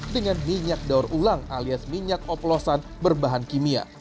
dengan minyak daur ulang alias minyak oplosan berbahan kimia